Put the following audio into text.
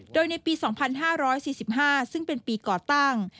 โดยในปี๒๕๔๕ซึ่งเป็นปีก่อตั้ง